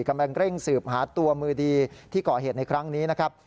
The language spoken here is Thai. กำลังเร่งสืบหาตัวมือดีที่ก่อเหตุในครั้งนี้นะครับ